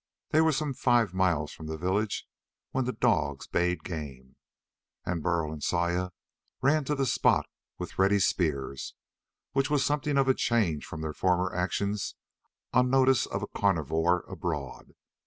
They were some five miles from the village when the dogs bayed game. And Burl and Saya ran to the spot with ready spears, which was something of a change from their former actions on notice of a carnivore abroad.